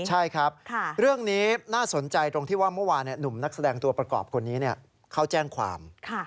ใช่ครับเรื่องนี้น่าสนใจตรงที่ว่าเมื่อวานหนุ่มนักแสดงตัวประกอบคนนี้เขาแจ้งความ